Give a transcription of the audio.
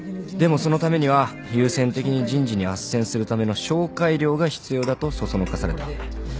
でもそのためには優先的に人事に斡旋するための紹介料が必要だと唆された。